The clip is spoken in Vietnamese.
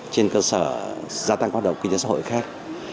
trên cơ sở gia tăng hoạt động kinh tế xã hội khác